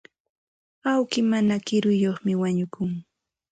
Awki mana kiruyuqmi wañukun.